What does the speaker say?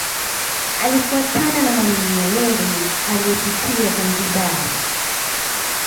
Alifuatana na Mwalimu Nyerere aliyepitia Zanzibar